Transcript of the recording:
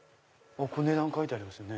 ここに値段書いてありますね。